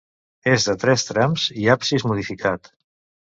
És de tres trams i absis modificat.